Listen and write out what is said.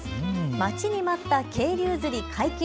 待ちに待った渓流釣り解禁。